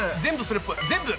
全部！